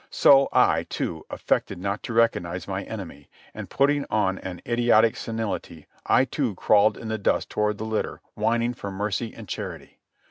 So I, too, affected not to recognize my enemy, and, putting on an idiotic senility, I, too, crawled in the dust toward the litter whining for mercy and charity.